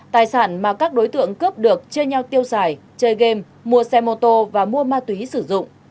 tại cơ quan điều tra hai đối tượng cướp được chơi nhau tiêu xài chơi game mua xe mô tô và mua ma túy sử dụng